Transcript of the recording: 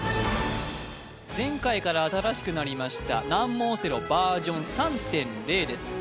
前回から新しくなりました難問オセロバージョン３．０です